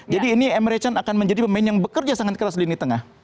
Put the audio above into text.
jadi ini emre can akan menjadi pemain yang bekerja sangat keras di lini tengah